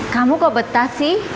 kamu kok betah sih